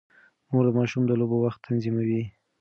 مور د ماشوم د لوبو وخت تنظیموي.